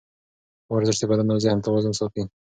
ورزش د بدن او ذهن توازن ساتي.